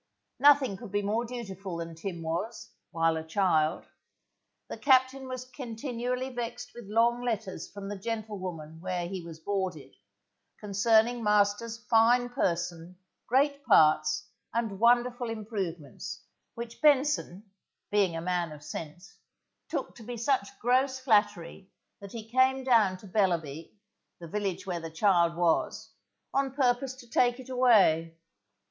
Nothing could be more dutiful than Tim was, while a child. The captain was continually vexed with long letters from the gentlewoman where he was boarded, concerning master's fine person, great parts and wonderful improvements, which Benson, being a man of sense, took to be such gross flattery that he came down to Bellerby, the village where the child was, on purpose to take it away.